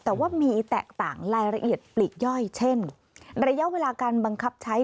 แต่ว่ามีแตกต่างรายละเอียดปลีกย่อยเช่นระยะเวลาการบังคับใช้